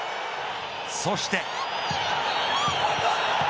そして。